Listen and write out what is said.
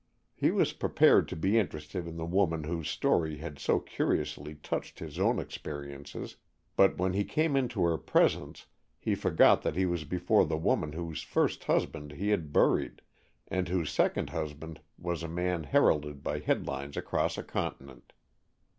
He was prepared to be interested in the woman whose story had so curiously touched his own experiences, but when he came into her presence he forgot that he was before the woman whose first husband he had buried, and whose second husband was a man heralded by headlines across a continent.